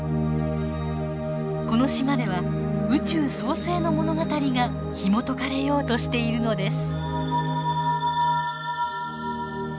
この島では宇宙創生の物語がひもとかれようとしているのです。